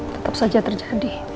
tetap saja terjadi